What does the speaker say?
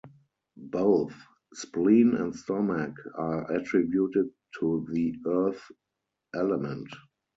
Both Spleen and Stomach are attributed to the Earth element.